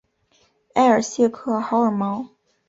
埃尔谢克豪尔毛。